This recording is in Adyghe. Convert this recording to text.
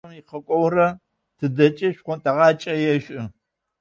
[unintelligible] икъэкӏогъэрэ тыдэкӏи шӏонтӏэгъакӏэ ешӏы.